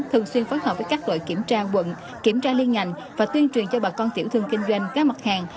thường xuyên phối hợp với các đội kiểm tra quận kiểm tra liên ngành và tuyên truyền cho bà con tiểu thương kinh doanh các mặt hàng